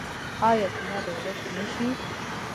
آیا کینه دې ورک نشي؟